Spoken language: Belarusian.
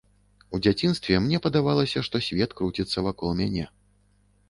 У дзяцінстве мне падавалася, што свет круціцца вакол мяне.